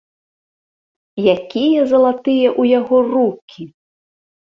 Якія залатыя ў яго рукі!